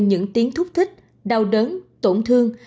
những tiếng thúc thích đau đớn tổn thương